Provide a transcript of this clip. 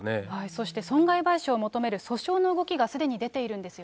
そして損害賠償を求める訴訟の動きがすでに出ているんですよ